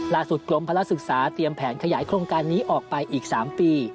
กรมภาระศึกษาเตรียมแผนขยายโครงการนี้ออกไปอีก๓ปี